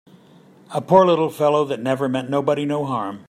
A poor little fellow that never meant nobody no harm!